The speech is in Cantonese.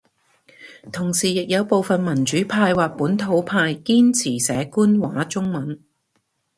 同時亦有部份民主派或本土派堅持寫官話中文